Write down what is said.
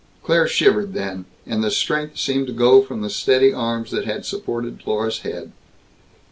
Claire shivered, then, and the strength seemed to go from the steady arms that had supported Dlorus's head.